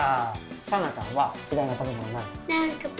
さなちゃんは嫌いな食べ物何？